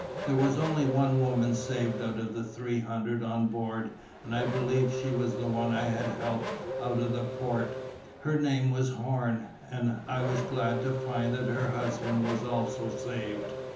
There was only one woman saved out of the three hundred on board, and I believe she was the one I had helped out of the port; her name was Horn, and I was glad to find that her husband was saved also.